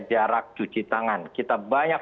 jarak cuci tangan kita banyak